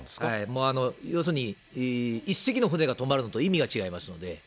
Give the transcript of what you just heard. もう要するに、１隻の船が止まるのと意味が違いますので。